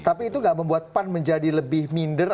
tapi itu gak membuat pan menjadi lebih minder